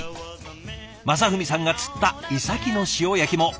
正文さんが釣ったイサキの塩焼きも。